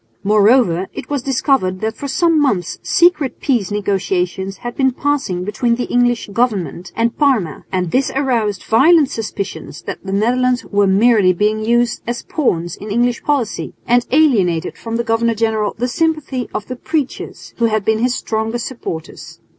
Moreover it was discovered that for some months secret peace negotiations had been passing between the English government and Parma; and this aroused violent suspicions that the Netherlands were merely being used as pawns in English policy, and alienated from the governor general the sympathy of the preachers, who had been his strongest supporters.